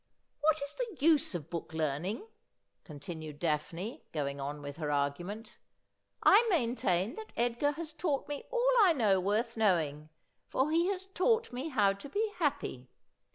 ' What is the use of book learning ?' continued Daphne, going on with her argument. ' I maintain that Edgar has taught me all I know worth knowing, for he has taught me how to be happy.